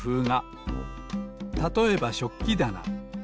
たとえばしょっきだな。